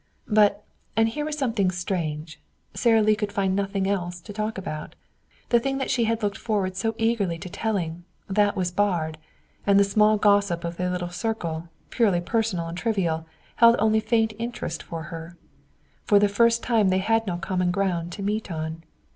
But and here was something strange Sara Lee could find nothing else to talk about. The thing that she had looked forward so eagerly to telling that was barred. And the small gossip of their little circle, purely personal and trivial, held only faint interest for her. For the first time they had no common ground to meet on.